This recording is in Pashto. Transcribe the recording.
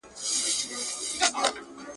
o بابا دي خداى وبخښي، مگر شنې مي ملا راماته کړه.